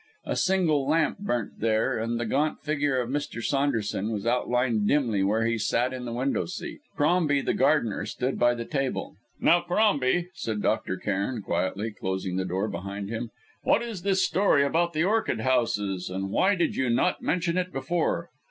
A single lamp burnt there, and the gaunt figure of Mr. Saunderson was outlined dimly where he sat in the window seat. Crombie, the gardener, stood by the table. "Now, Crombie," said Dr. Cairn, quietly, closing the door behind him, "what is this story about the orchid houses, and why did you not mention it before?"